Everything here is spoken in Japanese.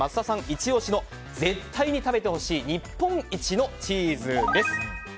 イチ押しの絶対に食べてほしい日本一のチーズです。